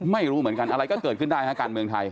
ไม่รู้เหมือนกันอะไรก็เกิดขึ้นได้ฮะการเมืองไทย